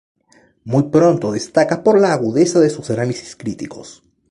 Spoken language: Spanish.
Muy pronto destaca por la agudeza de sus análisis críticos.